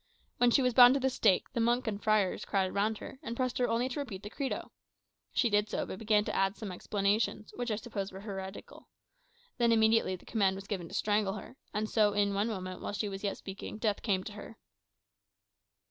When she was bound to the stake, the monks and friars crowded round her, and pressed her only to repeat the Credo. She did so; but began to add some explanations, which, I suppose, were heretical. Then immediately the command was given to strangle her; and so, in one moment, while she was yet speaking, death came to her."